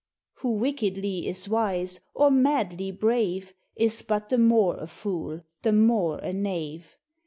Who wickedly is wise, or madly brave, Is but the more a fool, the more a knave.